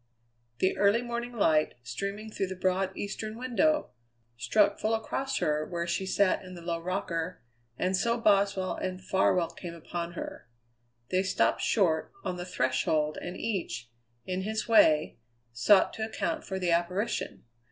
The early morning light, streaming through the broad eastern window, struck full across her where she sat in the low rocker; and so Boswell and Farwell came upon her. They stopped short on the threshold and each, in his way, sought to account for the apparition.